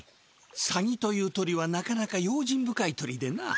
サギという鳥はなかなか用心深い鳥でな。